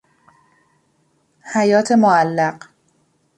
حیات معلق